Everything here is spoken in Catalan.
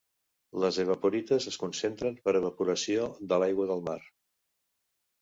Les evaporites es concentren per evaporació de l'aigua del mar.